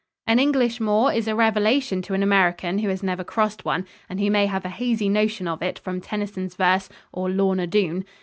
An English moor is a revelation to an American who has never crossed one and who may have a hazy notion of it from Tennyson's verse or "Lorna Doone."